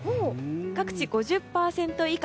各地５０％以下。